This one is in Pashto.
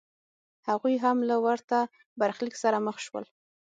هغوی هم له ورته برخلیک سره مخ شول.